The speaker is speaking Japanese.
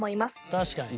確かに。